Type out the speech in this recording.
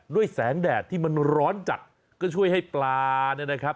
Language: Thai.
แสงแดดที่มันร้อนจัดก็ช่วยให้ปลาเนี่ยนะครับ